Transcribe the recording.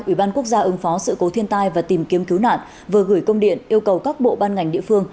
ủy ban quốc gia ứng phó sự cố thiên tai và tìm kiếm cứu nạn vừa gửi công điện yêu cầu các bộ ban ngành địa phương